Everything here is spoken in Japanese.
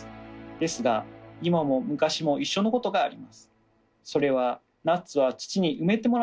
ですが今も昔も一緒のことがあります。